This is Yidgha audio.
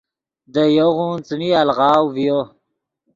دے یوغون څیمی الغاؤ ڤیو۔